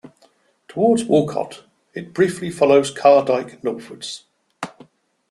Towards Walcott it briefly follows Car Dyke northwards.